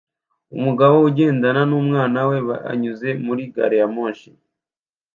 Umugabo ugendana numwana we banyuze muri gari ya moshi